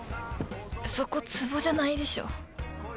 そこつぼじゃないでしょ